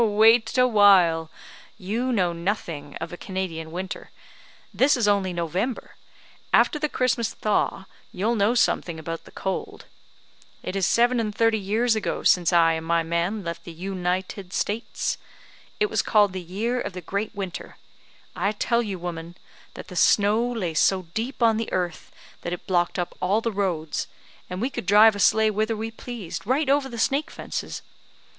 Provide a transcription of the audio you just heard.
"Wait a while; you know nothing of a Canadian winter. This is only November; after the Christmas thaw, you'll know something about the cold. It is seven and thirty years ago since I and my man left the U ni ted States. It was called the year of the great winter. I tell you, woman, that the snow lay so deep on the earth, that it blocked up all the roads, and we could drive a sleigh whither we pleased, right over the snake fences.